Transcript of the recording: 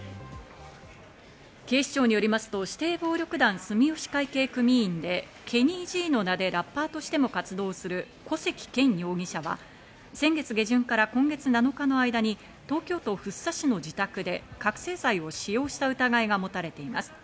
警視庁によりますと、指定暴力団住吉会系組員でＫＥＮＮＹ−Ｇの名でラッパーとしても活動する古関健容疑者は、先月下旬から今月７日の間に東京都福生市の自宅で覚醒剤を使用した疑いが持たれています。